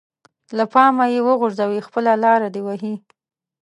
له پامه يې وغورځوي خپله لاره دې وهي.